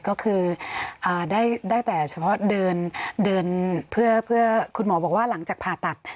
ก็คือได้แต่เฉพาะเดินเพื่อคุณหมอบอกว่าหลังจากผ่าตัด